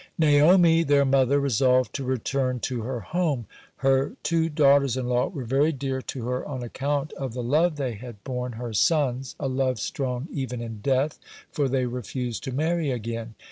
(41) Naomi, their mother, resolved to return to her home. Her two daughters in law were very dear to her on account of the love they had borne her sons, a love strong even in death, for they refused to marry again.